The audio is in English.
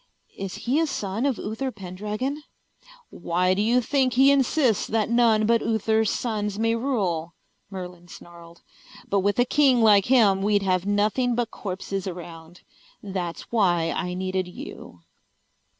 "Is he a son of Uther Pendragon?" "Why do you think he insists that none but Uther's sons may rule?" Merlin snarled. "But with a king like him we'd have nothing but corpses around. That's why I needed you."